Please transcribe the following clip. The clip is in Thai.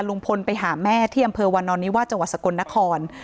ลุงพลไปหาแม่ที่อำเภอวานอนนิวาสจังหวัดสกลนคร